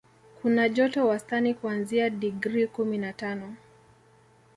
Kuna joto wastani kuanzia digrii kumi na tano